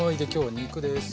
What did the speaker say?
肉です。